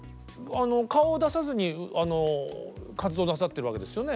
顔を出さずに活動なさってるわけですよね？